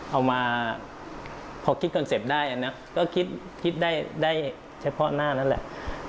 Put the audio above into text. เอามาพอคิดคอนเซ็ปต์ได้อันนี้ก็คิดได้เฉพาะหน้านั่นแหละ